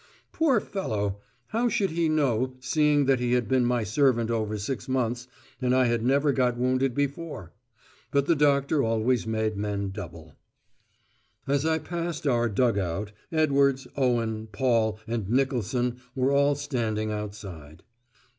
Poor fellow! How should he know, seeing that he had been my servant over six months, and I had never got wounded before? But the doctor always made men double. As I passed our dug out, Edwards, Owen, Paul, and Nicholson were all standing outside.